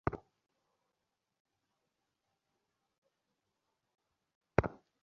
আধ্যাত্মিক সত্যের অসীম সমুদ্র আমাদের সম্মুখে প্রসারিত।